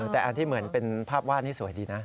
แต่อันที่เหมือนเป็นภาพวาดนี่สวยดีนะ